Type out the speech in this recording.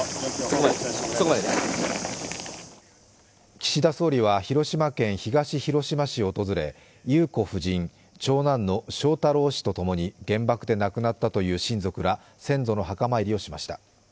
岸田総理は広島県東広島市を訪れ、裕子夫人長男の翔太郎氏とともに原爆で亡くなったという親族ら、先祖の墓参りをしました。